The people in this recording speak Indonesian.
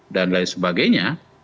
dan lain sebagainya